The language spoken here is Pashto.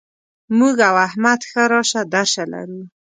موږ او احمد ښه راشه درشه لرو.